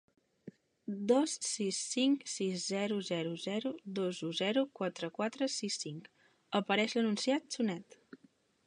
Dos sis cinc sis zero zero zero dos u zero quatre quatre sis cinc, apareix l'anunciat sonet.